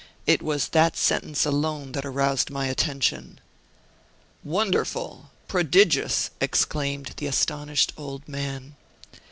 It was that sentence alone that aroused my attention." "Wonderful! prodigious!" exclaimed the astonished old man.